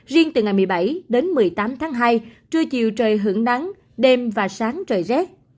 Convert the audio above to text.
riêng từ ngày một mươi bảy đến một mươi tám tháng hai trưa chiều trời hưởng nắng đêm và sáng trời rét